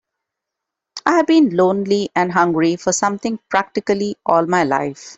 I've been lonely and hungry for something practically all my life.